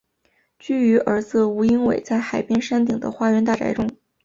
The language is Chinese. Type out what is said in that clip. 居于儿子吴英伟在海边山顶的花园大宅中。